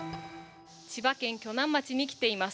千葉県鋸南町に来ています。